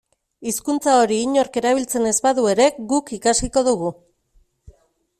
Hizkuntza hori inork erabiltzen ez badu ere guk ikasiko dugu.